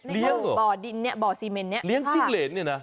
บ่อดินเนี่ยบ่อซีเมนเนี่ยเลี้ยงจิ้งเหรนเนี่ยนะ